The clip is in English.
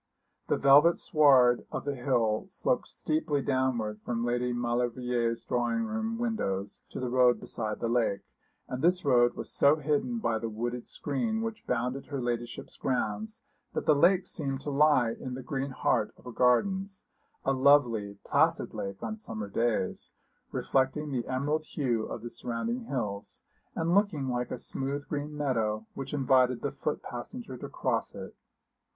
The velvet sward of the hill sloped steeply downward from Lady Maulevrier's drawing room windows to the road beside the lake, and this road was so hidden by the wooded screen which bounded her ladyship's grounds that the lake seemed to lie in the green heart of her gardens, a lovely, placid lake on summer days, reflecting the emerald hue of the surrounding hills, and looking like a smooth green meadow, which invited the foot passenger to cross it.